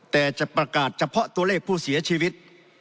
แต่จะประกาศเฉพาะตัวเลขผู้เสียชีวิต